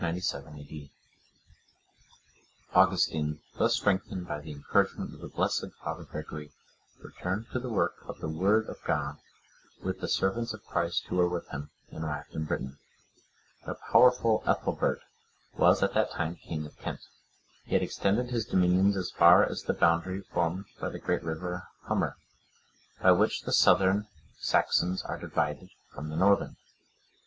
] Augustine, thus strengthened by the encouragement of the blessed Father Gregory, returned to the work of the Word of God, with the servants of Christ who were with him, and arrived in Britain. The powerful Ethelbert was at that time king of Kent;(109) he had extended his dominions as far as the boundary formed by the great river Humber, by which the Southern Saxons are divided from the Northern.